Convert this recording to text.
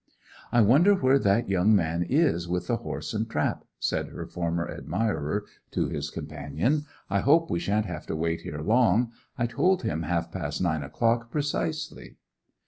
'I wonder where that young man is with the horse and trap?' said her former admirer to his companion. 'I hope we shan't have to wait here long. I told him half past nine o'clock precisely.